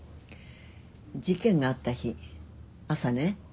事件があった日朝ね